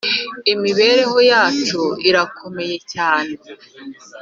Imibereho yacu irakomeye cyane.